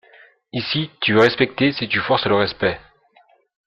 Ici, tu es respecté si tu forces le respect.